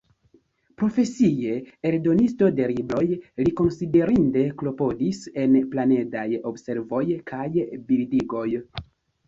Profesie eldonisto de libroj, li konsiderinde klopodis en planedaj observoj kaj bildigoj.